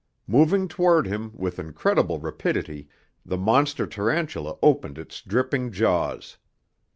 Moving toward him with incredible rapidity, the monster tarantula opened its dripping jaws.